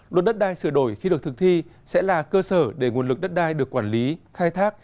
luật đất đai sửa đổi khi được thực thi sẽ là cơ sở để nguồn lực đất đai được quản lý khai thác